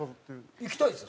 行きたいですよ